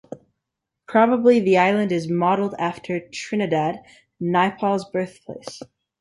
Probably the island is modeled after Trinidad, Naipaul's birthplace.